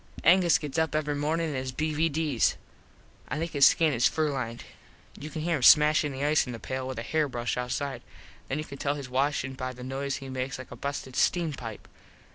Angus gets up every mornin in his BVDs. I think his skin is furlined. You can hear him smashin the ice in the pale with a hair brush outside. Then you can tell hes washin by the noise he makes like a busted steam pipe.